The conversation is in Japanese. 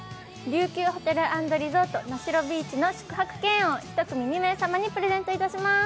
琉球ホテル＆リゾート名城ビーチの宿泊券を１組２名様にプレゼントいたします。